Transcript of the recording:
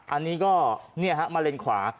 อันนี้ก็มาเลนขวา